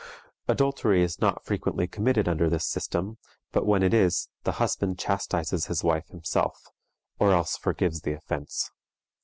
Adultery is not frequently committed under this system, but when it is, the husband chastises his wife himself, or else forgives the offense.